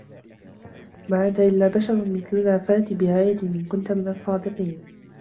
ما أَنتَ إِلّا بَشَرٌ مِثلُنا فَأتِ بِآيَةٍ إِن كُنتَ مِنَ الصّادِقينَ